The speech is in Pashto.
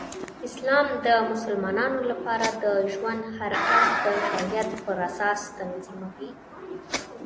اسلام د مسلمانانو لپاره د ژوند هر اړخ د شریعت پراساس تنظیموي.